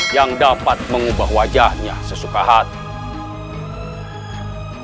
yang dapat mengubah wajahnya sesuka hati